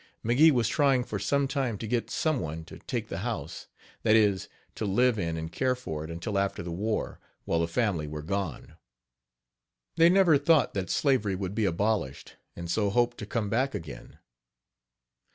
McGee was trying for some time to get some one to take the house, that is, to live in and care for it until after the war, while the family were gone. They never thought that slavery would be abolished, and so hoped to come back again.